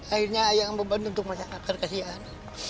akhirnya ayah yang membantu untuk masyarakat kasihan